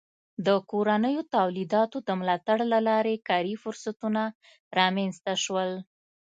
د کورنیو تولیداتو د ملاتړ له لارې کاري فرصتونه رامنځته سول.